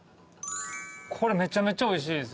これめちゃめちゃおいしいです